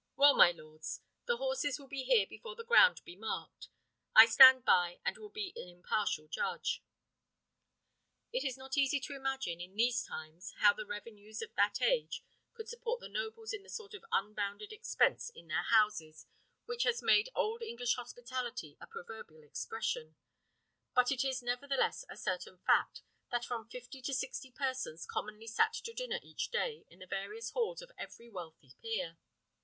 Well, my lords, the horses will be here before the ground be marked. I stand by, and will be an impartial judge." It is not easy to imagine, in these times, how the revenues of that age could support the nobles in the sort of unbounded expense in their houses which has made Old English hospitality a proverbial expression; but it is nevertheless a certain fact, that from fifty to sixty persons commonly sat to dinner each day in the various halls of every wealthy peer.